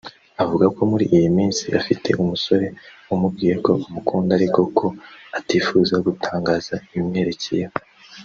Avuga ko muri iyi minsi afite umusore wamubwiye ko amukunda ariko ko atifuza gutangaza ibimwerekeyeho